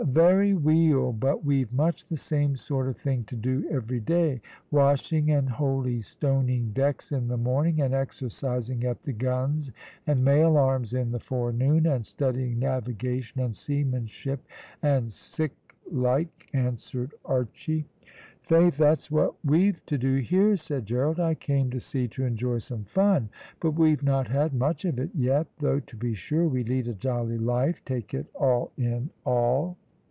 "Vary weel, but we've much the same sort of thing to do every day; washing and holy stoning decks in the morning, and exercising at the guns and mail arms in the forenoon, and studying navigation and seamanship, and sic like," answered Archy. "Faith, that's what we've to do here," said Gerald. "I came to sea to enjoy some fun; but we've not had much of it yet, though, to be sure, we lead a jolly life, take it all in all."